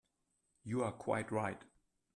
You are quite right.